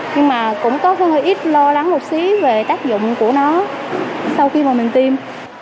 nhưng mà cũng có hơi ít lo lắng một xí về tác dụng của nó sau khi mà mình tiêm